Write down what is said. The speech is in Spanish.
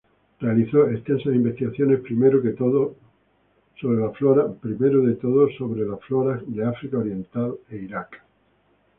Realizó extensas investigaciones, primero que todo, sobre las floras de África oriental, e Irak.